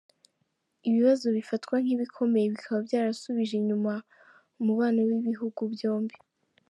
Ibibazo bifatwa nk’ibikomeye bikaba byarasubije inyuma umubano w’ibihugu byombi.